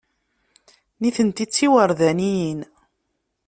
Nitenti d tiwerdaniyin.